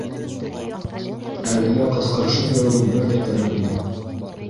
— Әлегә ҡысҡырышып йөрөүҙең бер ҙә кәрәге юҡ.